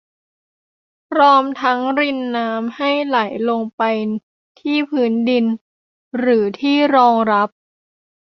พร้อมทั้งรินน้ำให้ไหลลงไปที่พื้นดินหรือที่รองรับ